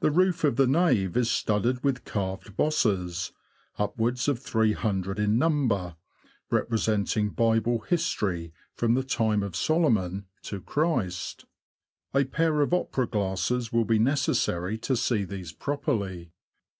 The roof of the nave is studded with carved bosses, upwards of three hundred in number, repre senting Bible history, from the time of Solomon to Christ. A pair of opera glasses will be necessary to see these properly.